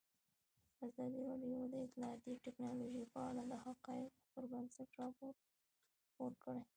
ازادي راډیو د اطلاعاتی تکنالوژي په اړه د حقایقو پر بنسټ راپور خپور کړی.